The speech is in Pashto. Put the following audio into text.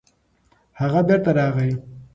هغه بېرته راغی.